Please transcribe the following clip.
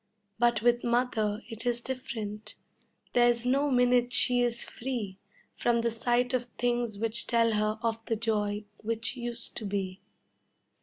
But with Mother it is different there's no minute she is free From the sight of things which tell her of the joy which used to be.